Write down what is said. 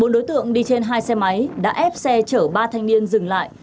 bốn đối tượng đi trên hai xe máy đã ép xe chở ba thanh niên dừng lại